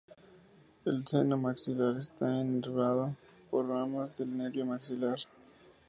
El seno maxilar está inervado por ramas del nervio maxilar.